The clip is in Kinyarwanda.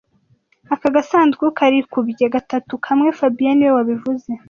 Aka gasanduku karikubye gatatu kamwe fabien niwe wabivuze